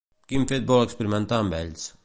Quin fet vol experimentar amb ells?